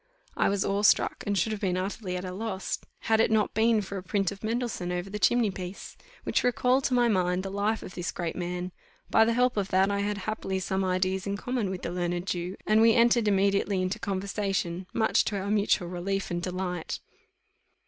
I was awe struck, and should have been utterly at a loss, had it not been for a print of Mendelssohn over the chimney piece, which recalled to my mind the life of this great man; by the help of that I had happily some ideas in common with the learned Jew, and we; entered immediately into conversation, much to our mutual relief and delight.